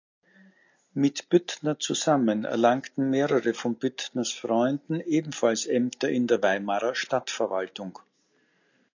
Mit Büttner zusammen erlangten mehrere von Büttners Freunden ebenfalls Ämter in der Weimarer Stadtverwaltung.